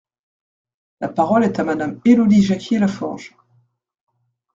La parole est à Madame Élodie Jacquier-Laforge.